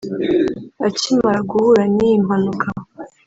Akimara guhura n’iyi mpanuka